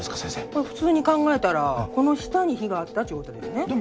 これ普通に考えたらこの下に火があったっちゅうことですね